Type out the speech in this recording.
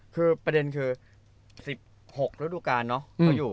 คือประเด็นคือ๑๖ธุรกาลเนาะ